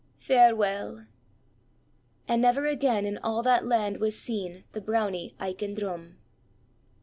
Farewell!_" And never again in all that land was seen the Brownie Aiken Drum!